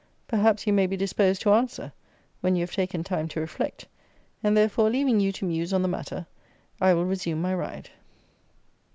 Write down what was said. Perhaps you may be disposed to answer, when you have taken time to reflect; and, therefore, leaving you to muse on the matter, I will resume my ride.